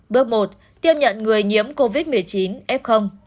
bước một tiếp nhận người nhiễm covid một mươi chín f